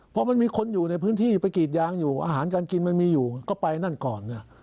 พอมันมีคนอยู่ในพื้นที่ไปกรีดยางอยู่อาหารการกินมันมีอยู่ก็ไปนั่นก่อน